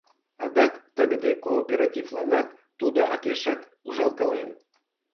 Адак тыгыде кооперативланат тудо акешак ужалкален.